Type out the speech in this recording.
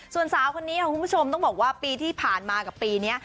ส่วนสาวคนนี้ค่ะคุณผู้ชมต้องบอกว่าปีที่ผ่านมากับปีนี้